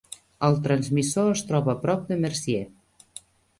El transmissor es troba a prop de Mercier.